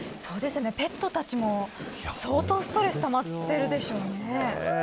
ペットたちも相当ストレスたまっているでしょうね。